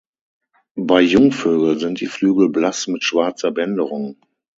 Bei Jungvögeln sind die Flügel blass mit schwarzer Bänderung.